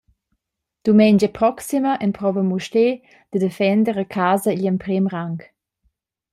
Dumengia proxima emprova Mustér da defender a casa igl emprem rang.